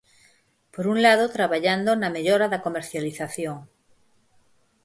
Por un lado traballando na mellora da comercialización.